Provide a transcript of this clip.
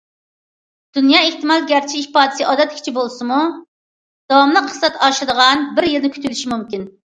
دۇنيا ئېھتىمال گەرچە ئىپادىسى ئادەتتىكىچە بولسىمۇ، داۋاملىق ئىقتىساد ئاشىدىغان بىر يىلنى كۈتۈۋېلىشى مۇمكىن.